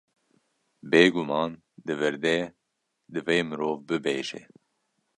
Bêguman di vir de divê mirov bibêje.